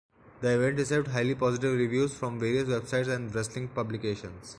The event received highly positive reviews from various websites and wrestling publications.